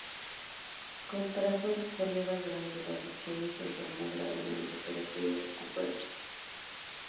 Contrajo el cólera durante las acciones, y enfermó gravemente, pero pudo recuperarse.